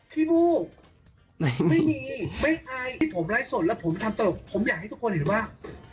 พี่บูไหนไม่มีไม่อายที่ผมไลฟ์สดแล้วผมทำตลกผมอยากให้ทุกคนเห็นว่า